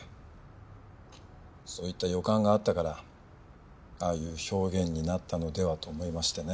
そういった予感があったからああいう表現になったのではと思いましてね。